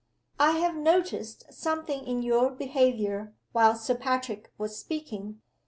"I have noticed something in your behavior while Sir Patrick was speaking.